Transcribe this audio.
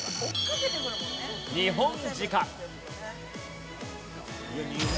ニホンジカ。